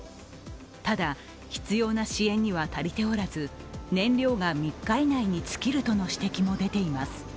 ただ、必要な支援には足りておらず燃料が３日以内に尽きるとの指摘も出ています。